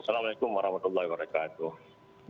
waalaikumsalam warahmatullahi wabarakatuh